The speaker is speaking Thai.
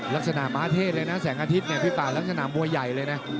ลักษณะม้าเทศเลยนะแสงอาทิตยเนี่ยพี่ป่าลักษณะมวยใหญ่เลยนะ